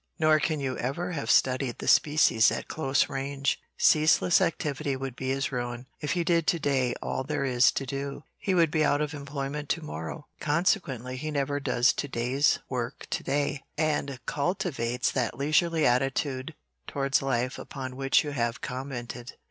"Nor can you ever have studied the species at close range. Ceaseless activity would be his ruin. If he did to day all there is to do, he would be out of employment to morrow, consequently he never does to day's work to day, and cultivates that leisurely attitude towards life upon which you have commented.